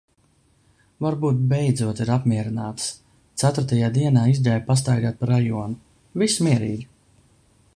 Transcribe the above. Varbūt beidzot ir apmierinātas. Ceturtajā dienā izgāju pastaigāt pa rajonu. Viss mierīgi.